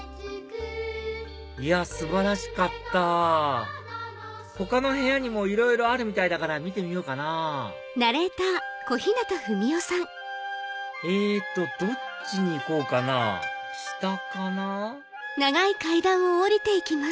いや素晴らしかった他の部屋にもいろいろあるみたいだから見てみようかなえっとどっちに行こうかな下かな？